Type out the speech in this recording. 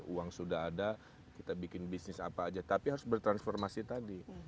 uang sudah ada kita bikin bisnis apa aja tapi harus bertransformasi tadi